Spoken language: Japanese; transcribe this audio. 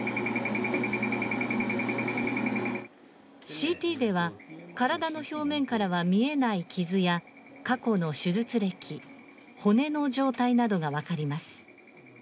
ＣＴでは体の表面からは見えない傷や過去の手術歴骨の状態などがわかります。